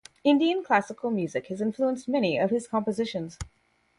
Indian classical music has influenced many of his compositions.